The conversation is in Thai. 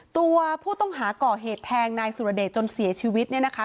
ตัวผู้ต้องหาก่อเหตุแทงนายสุรเดชจนเสียชีวิตเนี่ยนะคะ